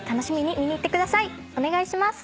お願いします。